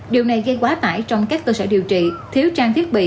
điều này gây quá tải trong các cơ sở điều trị thiếu trang thiết bị